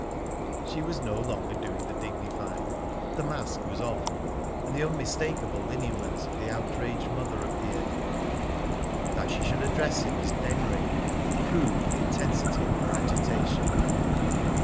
She was no longer doing the dignified. The mask was off, and the unmistakable lineaments of the outraged mother appeared. That she should address him as "Denry" proved the intensity of her agitation.